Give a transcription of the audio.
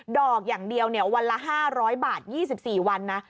ดอกอย่างเดียววันละ๕๐๐บาท๒๔วันนะ